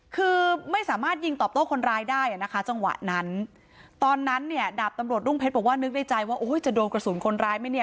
คือไม่สามารถยิงตอบโต้คนร้ายได้อ่ะนะคะจังหวะนั้นตอนนั้นเนี่ยดาบตำรวจรุ่งเพชรบอกว่านึกในใจว่าโอ้ยจะโดนกระสุนคนร้ายไหมเนี่ย